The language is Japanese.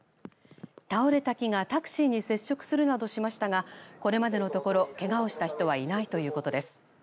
倒れた木がタクシーに接触するなどしましたがこれまでのところけがをした人はいないということです。